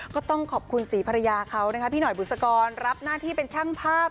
ก็ต้องขอบคุณศรีภรรยาเขานะคะพี่หน่อยบุษกรรับหน้าที่เป็นช่างภาพ